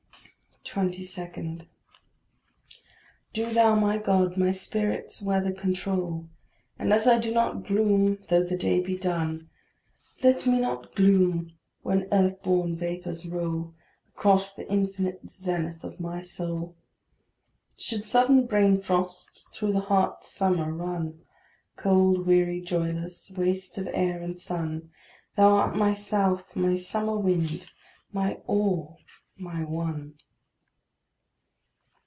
22. Do thou, my God, my spirit's weather control; And as I do not gloom though the day be dun, Let me not gloom when earth born vapours roll Across the infinite zenith of my soul. Should sudden brain frost through the heart's summer run, Cold, weary, joyless, waste of air and sun, Thou art my south, my summer wind, my all, my one.